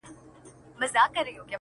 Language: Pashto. پوهېږم چي زموږه محبت له مينې ژاړي!